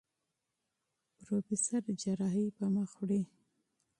پروفېسر جراحي پر مخ وړي.